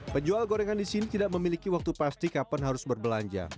penjual gorengan di sini tidak memiliki waktu pasti kapan harus berbelanja